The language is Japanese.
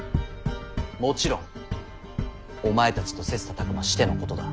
もちろんお前たちと切磋琢磨してのことだ。